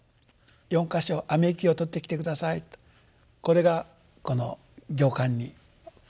４か所雨雪を取ってきて下さいとこれがこの行間に込められています。